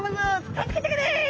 「助けてくれ！」